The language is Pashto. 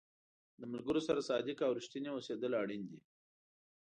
د ملګرو سره صادق او رښتینی اوسېدل اړین دي.